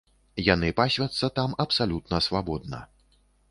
Яны пасвяцца там абсалютна свабодна.